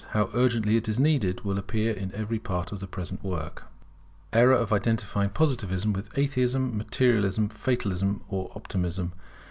How urgently it is needed will appear in every part of the present work. [Error of identifying Positivism with Atheism, Materialism, Fatalism, or Optimism.